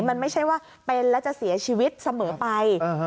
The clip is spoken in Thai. มันไม่ใช่ว่าเป็นแล้วจะเสียชีวิตเสมอไป